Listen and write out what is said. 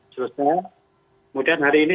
kemudian hari ini